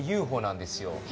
ＵＦＯなんですよ。